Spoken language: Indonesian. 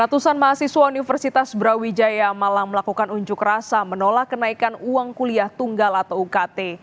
ratusan mahasiswa universitas brawijaya malang melakukan unjuk rasa menolak kenaikan uang kuliah tunggal atau ukt